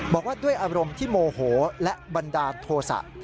บอกว่าด้วยอารมณ์ที่โมโหและบันดาลโทษะ